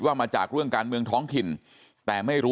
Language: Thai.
ทำให้สัมภาษณ์อะไรต่างนานไปออกรายการเยอะแยะไปหมด